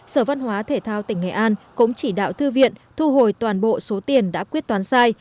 sở văn hóa thể thao tỉnh nghệ an cũng chỉ đạo thư viện thu hồi toàn bộ số tiền đã quyết toán sai